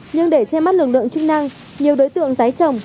nhưng để che mắt lực lượng chức năng nhiều đối tượng tái trồng